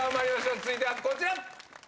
続いてはこちら。